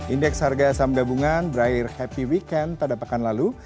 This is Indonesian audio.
indeks harga saham gabungan brahir happy weekend pada pekan lalu